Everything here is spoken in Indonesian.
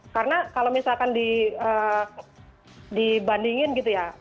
karena kalau misalkan dibandingin gitu ya